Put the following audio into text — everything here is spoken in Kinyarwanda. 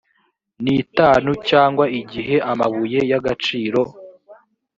n itanu cyangwa igihe amabuye y agaciro